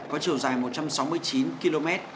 có chiều dài một trăm sáu mươi chín km